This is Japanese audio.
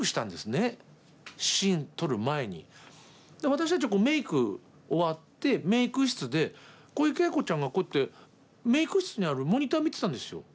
私たちはメーク終わってメーク室で小池栄子ちゃんがこうやってメーク室にあるモニター見てたんですよ。